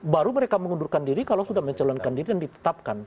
baru mereka mengundurkan diri kalau sudah mencalonkan diri dan ditetapkan